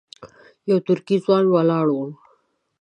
یو ترکی ځوان ولاړ و.